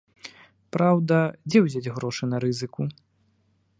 Праўда, дзе ўзяць грошы на рызыку?